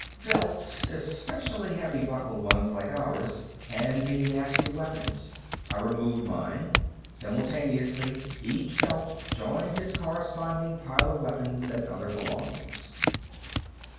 Belts, especially heavy buckled ones like ours, can be nasty weapons. I removed mine. Simultaneously each belt joined its corresponding pile of weapons and other belongings.